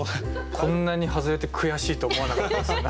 こんなに外れて悔しいと思わなかったですよね。